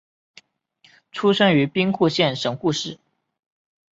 出身于兵库县神户市。